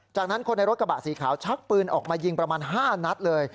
จากนั้นคนในรถกระบะสีขาวชักปืนออกมายิงประมาณ๕นัดเลย